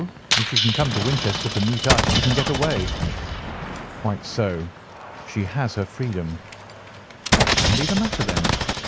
If she can come to Winchester to meet us she can get away." "Quite so. She has her freedom." "What can be the matter, then?